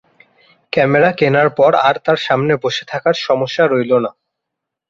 Camera কেনার পর আর তার সামনে বসে থাকার সমস্যা রইল না।